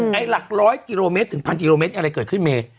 ทั้งหลักร้อยกกถึงหลัง๑๐๐๐กกอะไรเกิดขึ้นเมต